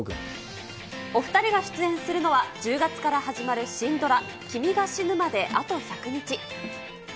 お２人が出演するのは、１０月から始まるシンドラ、君が死ぬまであと１００日。